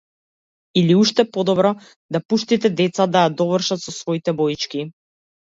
Или уште подобро, да пуштите деца да ја довршат со своите боички.